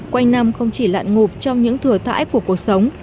quanh năm không chỉ lạn ngụp trong những thừa của cuộc sống